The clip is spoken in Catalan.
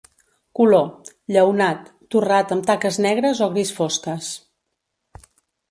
Color: lleonat, torrat amb taques negres o gris fosques.